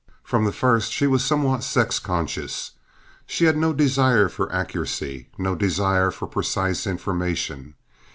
From the first she was somewhat sex conscious. She had no desire for accuracy, no desire for precise information.